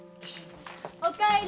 おかえり！